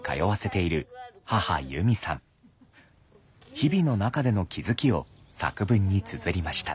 日々の中での気付きを作文につづりました。